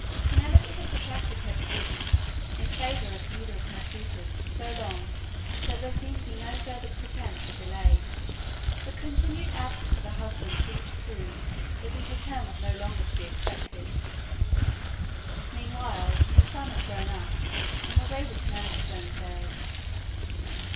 Penelope had protracted her decision in favor of either of her suitors so long that there seemed to be no further pretence for delay. The continued absence of her husband seemed to prove that his return was no longer to be expected. Meanwhile, her son had grown up, and was able to manage his own affairs.